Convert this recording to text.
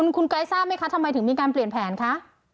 คุณไกด์ทราบไหมคะทำไมถึงมีการเปลี่ยนแผนคะ